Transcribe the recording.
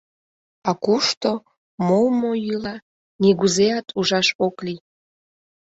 А кушто, мо-мо йӱла, нигузеат ужаш ок лий.